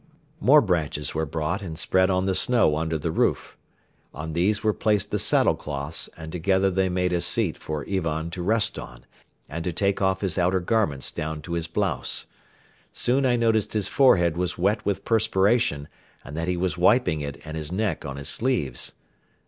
More branches were brought and spread on the snow under the roof, on these were placed the saddle cloths and together they made a seat for Ivan to rest on and to take off his outer garments down to his blouse. Soon I noticed his forehead was wet with perspiration and that he was wiping it and his neck on his sleeves.